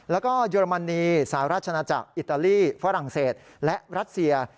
แล้วก็เยอรมนีสหราชนาจักรอิตาลีฝรั่งเศสและรัสเซีย